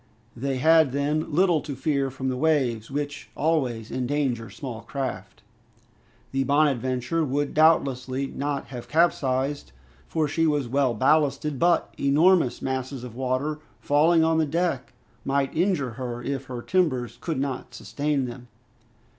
They had then little to fear from the waves, which always endanger small craft. The "Bonadventure" would doubtlessly not have capsized, for she was well ballasted, but enormous masses of water falling on the deck might injure her if her timbers could not sustain them.